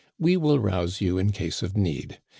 We will rouse you in case of need.